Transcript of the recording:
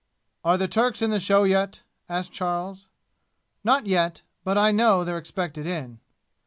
"Are the Turks in the show yet?" asked Charles. "Not yet. But I know they're expected in."